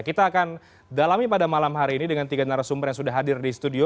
kita akan dalami pada malam hari ini dengan tiga narasumber yang sudah hadir di studio